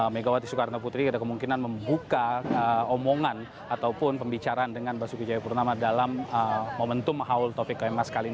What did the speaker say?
megawati soekarno putri ada kemungkinan membuka omongan ataupun pembicaraan dengan basuki jayapurnama dalam momentum haul taufik keemas kali ini